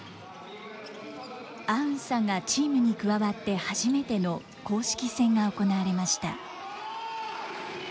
アウンさんがチームに加わって初めての公式戦が行われました。